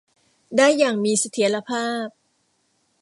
ได้อย่างมีเสถียรภาพ